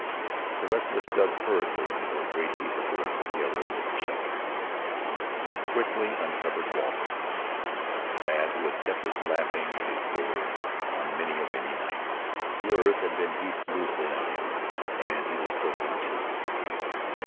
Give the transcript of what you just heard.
The rest of us dug hurriedly into a great heap of earth at the other end of the shelter. We quickly uncovered Walter, a lad who had kept us laughing at his drollery on many a rainy night. The earth had been heaped loosely on him and he was still conscious.